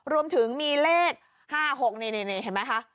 รวมถึงมีเลข๕๖นี่เห็นไหมคะ